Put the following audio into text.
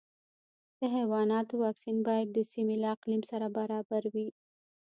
د حیواناتو واکسین باید د سیمې له اقلیم سره برابر وي.